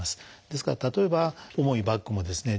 ですから例えば重いバッグもですね